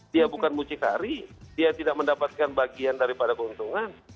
dia bukan mucikari dia tidak mendapatkan bagian daripada keuntungan